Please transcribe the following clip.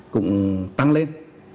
cũng tăng lên